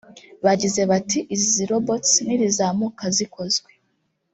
Bagize bati “Izi robots nirizamuka zikozwe